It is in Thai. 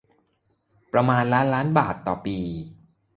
ประมาณล้านล้านบาทต่อปี